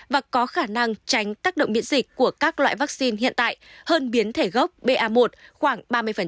và có khả năng tránh tác động miễn dịch của các loại vaccine hiện tại hơn biến thể gốc ba khoảng ba mươi